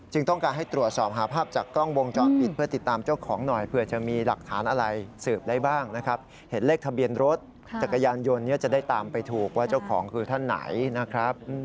เหตุเลขทะเบียนรถจักรยานยนต์จะได้ตามไปถูกว่าเจ้าของคือท่านไหนนะครับ